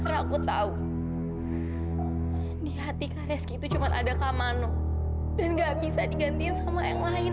karena aku tahu di hati kak reski itu cuma ada kak mano dan gak bisa digantiin sama yang lain